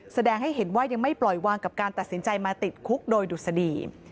แสดงให้เห็นว่ายังไม่ปล่อยวางกับการตัดสินใจมาติดคุกโดยดุษฎี